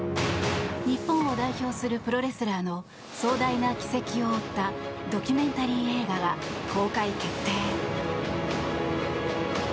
日本を代表するプロレスラーの壮大な軌跡を追ったドキュメンタリー映画が公開決定。